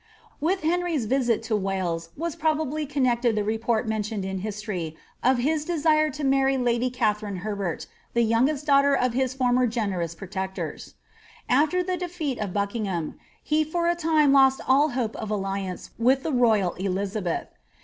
* With Henry's visit to Wales was probably connected the report men tioned in history of his desire to marry lady Katherine Herbert, the youngest daughter of his former generous protectors. After the defeat of Buckingham, he for a time lost all hope of alliance with the royal Elizabeth.